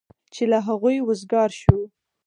چې له هغوی وزګار شو.